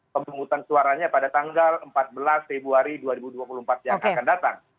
pemungutan suaranya pada tanggal empat belas februari dua ribu dua puluh empat yang akan datang